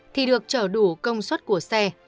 thì được trở đủ công suất của xe